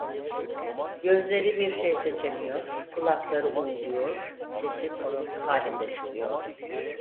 Gözleri bir şey seçemiyor, kulakları uğulduyor, sesi fısıltı halinde çıkıyordu.